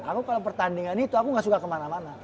aku kalau pertandingan itu aku gak suka kemana mana